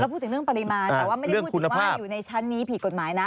พูดถึงเรื่องปริมาณแต่ว่าไม่ได้พูดถึงว่าอยู่ในชั้นนี้ผิดกฎหมายนะ